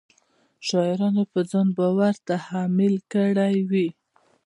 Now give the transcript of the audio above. شاعرانو پر ځان بار تحمیل کړی وي.